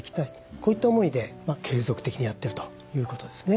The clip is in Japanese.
こういった思いで継続的にやってるということです。